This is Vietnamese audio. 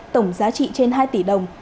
tổng giá trị trên hai tỷ đồng